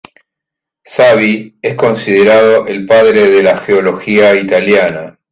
Savi es considerado el padre de la geología italiana.